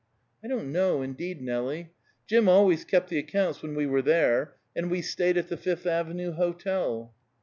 "I don't know, indeed, Nelie. Jim always kept the accounts when we were there, and we stayed at the Fifth Avenue Hotel."